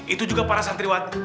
itu juga para santriwat